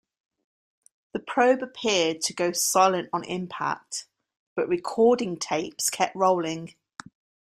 The probe appeared to go silent on impact but recording tapes kept rolling.